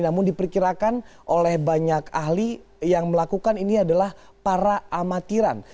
namun diperkirakan oleh banyak ahli yang melakukan ini adalah para amatiran